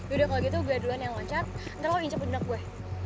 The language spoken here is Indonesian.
udah kalau gitu gue duluan yang loncat nanti lo incet pendek gue